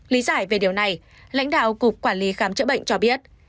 lý giải về điều này lãnh đạo cục quản lý khám chữa bệnh cho biết